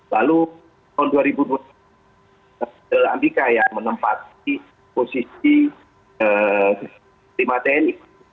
lalu tahun dua ribu dua belas ambiqa yang menempati posisi terima tni